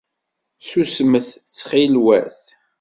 Susmet ttxilwat.